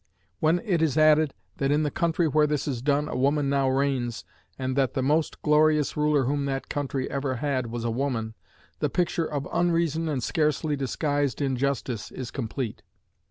When it is added that in the country where this is done a woman now reigns, and that the most glorious ruler whom that country ever had was a woman, the picture of unreason and scarcely disguised injustice is complete.